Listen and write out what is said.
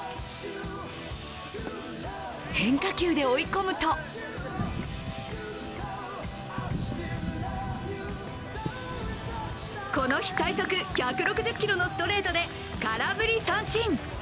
変化球で追い込むとこの日最速、１６０キロのストレートで空振り三振。